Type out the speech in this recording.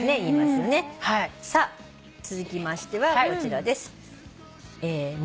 さあ続きましてはこちらです。